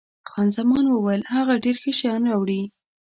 خان زمان وویل، هغه ډېر ښه شیان راوړي.